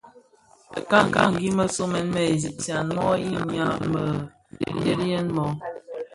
Mëkangi më somèn më Egyptien mo yinnya mëdhèliyèn no?